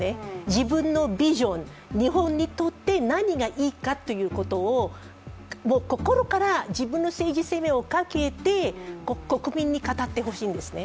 自分のビジョン、日本にとって何がいいかということを心から自分の政治生命をかけて国民に語ってほしいんですね。